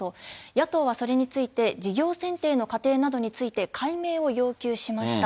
野党はそれについて、事業選定の過程などについて、解明を要求しました。